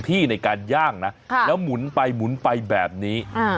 นี่ไง